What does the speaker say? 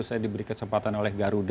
saya diberi kesempatan oleh garuda